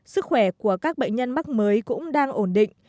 sức khỏe của các bệnh nhân mắc mới cũng đang ổn định